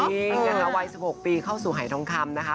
จริงนะคะวัย๑๖ปีเข้าสู่หายทองคำนะคะ